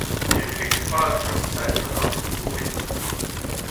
Ne vefe ket fall kaout ali an arbennigourien.